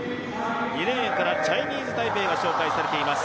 ２レーンからチャイニーズ・タイペイが紹介されています。